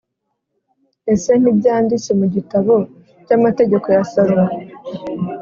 ese ntibyanditse mu gitabo cy amateka ya Salomo